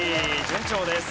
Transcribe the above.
順調です。